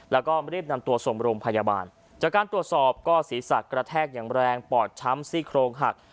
แล้วก็รีบนำตัวส่งโรงพยาบาลจากการตรวจสอบก็ศีรษะกระแทกอย่างแรงปอดช้ำซี่โครงหัก